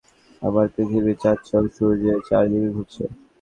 যেমন, চাঁদ পৃথিবীর চারদিকে ঘুরছে, আবার পৃথিবী চাঁদসহ সূর্যের চারদিকে ঘুরছে।